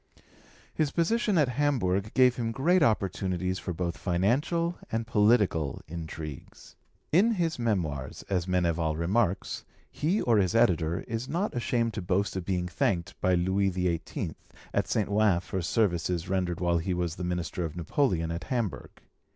His position at Hamburg gave him great opportunities for both financial and political intrigues. In his Memoirs, as Meneval remarks, he or his editor is not ashamed to boast of being thanked by Louis XVIII. at St. Ouen for services rendered while he was the minister of Napoleon at Hamburg.